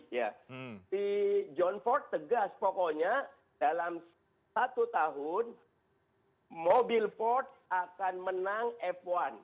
di john ford tegas pokoknya dalam satu tahun mobil ford akan menang f satu